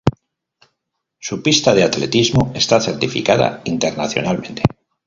Su pista de atletismo está certificada internacionalmente.